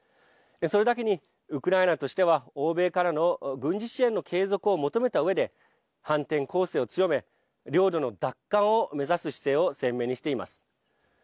それだけに、ウクライナとしては欧米からの軍事支援の継続を求めたうえで反転攻勢を強め領土の奪還を目指す姿勢を鮮明にしています。